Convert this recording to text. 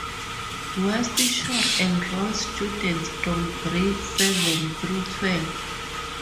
West Shore enrolls students from grades seven through twelve.